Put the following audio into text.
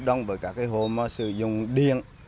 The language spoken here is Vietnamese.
lập đồng với các cái hồ mà sử dụng điện